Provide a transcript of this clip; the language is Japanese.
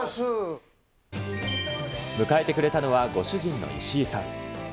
迎えてくれたのは、ご主人の石井さん。